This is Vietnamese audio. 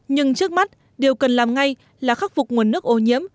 nhưng trước mắt điều cần làm ngay là khắc phục nguồn nước ô nhiễm